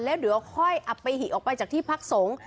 แล้วเดี๋ยวค่อยอับไปหิออกไปจากที่พักสงฆ์